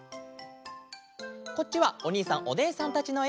こっちはおにいさんおねえさんたちのえ。